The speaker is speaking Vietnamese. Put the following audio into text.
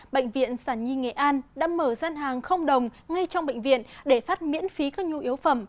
bệnh viện sản nhi nghệ an đã mở gian hàng không đồng ngay trong bệnh viện để phát miễn phí các nhu yếu phẩm